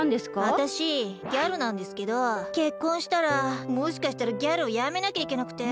あたしギャルなんですけど結婚したらもしかしたらギャルをやめなきゃいけなくて。